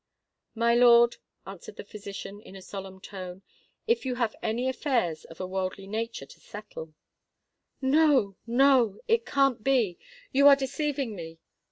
"My lord," answered the physician, in a solemn tone, "if you have any affairs of a worldly nature to settle——" "No—no: it can't be! You are deceiving me!"